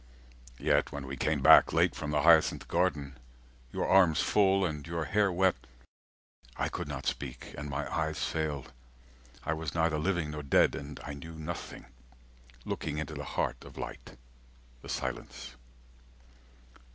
—Yet when we came back, late, from the Hyacinth garden, Your arms full, and your hair wet, I could not Speak, and my eyes failed, I was neither Living nor dead, and I knew nothing, 40 Looking into the heart of light, the silence.